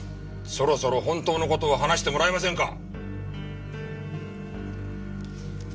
そろそろ本当の事を話してもらえませんか？